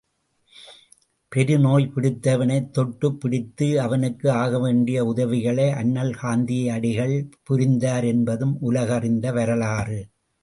பெரு நோய் பிடித்தவனைத் தொட்டுப் பிடித்து அவனுக்கு ஆகவேண்டிய உதவிகளை அண்ணல் காந்தியடிகள் புரிந்தார் என்பதும் உலகறிந்த வரலாறு.